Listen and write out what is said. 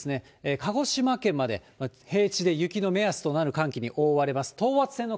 鹿児島県まで、平地で雪の目安となる寒気に覆われます。